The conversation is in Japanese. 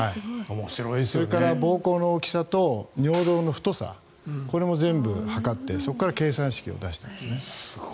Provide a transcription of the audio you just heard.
それから膀胱の大きさと尿道の太さも全部測ってそこから計算式を出したんですね。